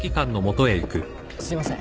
すいません。